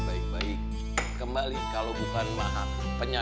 wah ini mah pasti sakit gara gara pikiran ya